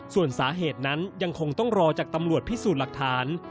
ส่วนสาเหตุนั้นยังคงต้องรอจากตำรวจพิสูจน์หลักฐาน